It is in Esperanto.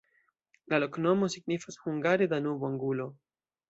La loknomo signifas hungare: Danubo-angulo.